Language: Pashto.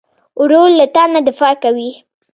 ورور له تا نه دفاع کوي.